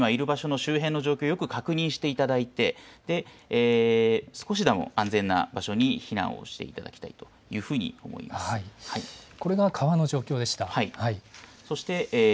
また、ご自宅ですとか、今いる場所の周辺の状況をよく確認していただいて、少しでも安全な場所に避難をしていただきたいというふこれが川の状況でした。